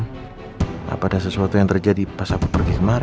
kenapa ada sesuatu yang terjadi pas aku pergi ke rumah